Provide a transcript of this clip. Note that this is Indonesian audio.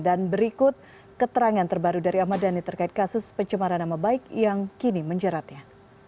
dan berikut keterangan terbaru dari ahmad dhani terkait kasus pencemaran nama baik yang kini menjeratnya